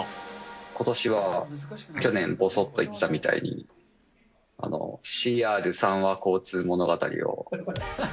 ことしは、去年ぼそっと言ったみたいに、ＣＲ三和交通物語を。